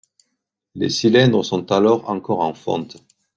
Les cylindres sont alors encore en fonte.